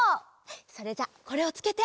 それじゃあこれをつけて。